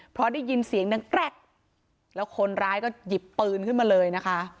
เพราะได้ยินเสียงดังแกรกแล้วคนร้ายก็หยิบปืนขึ้นมาเลยนะคะ